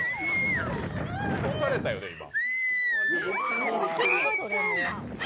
落とされたよね、今。